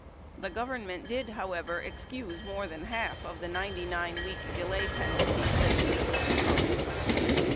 The Government did, however, excuse more than half of the 99 week delay penalties that could have been imposed.